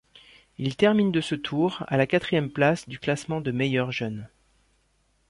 Il termine de ce Tour, à la quatrième place du classement de meilleur jeune.